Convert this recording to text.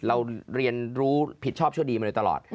เราเรียนรู้ผิดชอบชั่วดีมาโดยตลอด